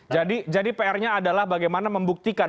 jadi pr nya adalah bagaimana membuktikan